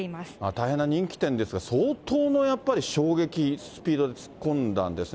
大変な人気店ですから、相当のやっぱり衝撃、スピードで突っ込んだんですね。